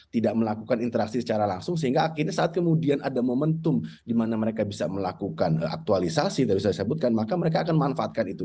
tidak melakukan interaksi secara langsung sehingga akhirnya saat kemudian ada momentum di mana mereka bisa melakukan aktualisasi tadi saya sebutkan maka mereka akan manfaatkan itu